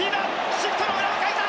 シフトの裏をかいた！